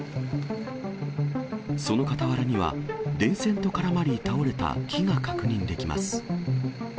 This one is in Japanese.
その傍らには、電線と絡まり倒れた木が確認できます。